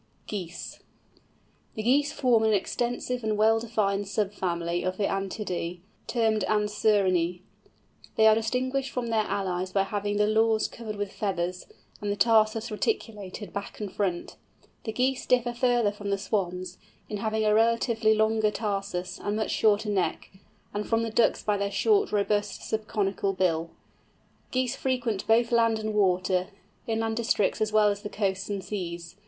GEESE. The Geese form an extensive and well defined sub family of the Anatidæ termed Anserinæ. They are distinguished from their allies by having the lores covered with feathers, and the tarsus reticulated back and front. The Geese differ further from the Swans, in having a relatively longer tarsus, and much shorter neck; and from the Ducks by their short, robust, subconical bill. Geese frequent both land and water, inland districts as well as the coasts and seas.